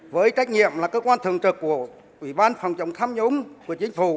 với trách nhiệm là cơ quan thường trực của ủy ban phòng chống tham nhũng của chính phủ